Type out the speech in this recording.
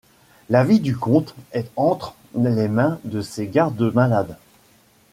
La vie du comte est entre les mains de ses garde-malades.